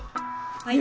はい。